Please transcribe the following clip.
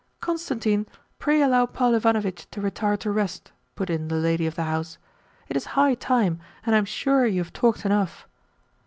"Constantine, pray allow Paul Ivanovitch to retire to rest," put in the lady of the house. "It is high time, and I am sure you have talked enough."